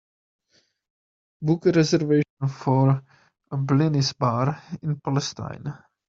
Book a reservation for a blinis bar in Palestine